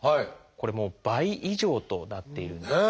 これもう倍以上となっているんです。